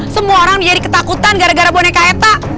semua orang menjadi ketakutan gara gara boneka eta